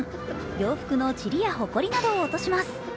洋服のちりやほこりなどを落とします。